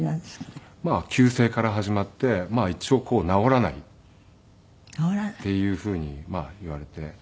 まあ急性から始まって一応治らないっていうふうにいわれて。